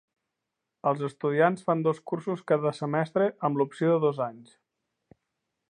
Els estudiants fan dos cursos cada semestre amb l'opció de dos anys.